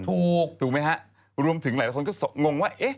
ถูกถูกไหมฮะรวมถึงหลายคนก็งงว่าเอ๊ะ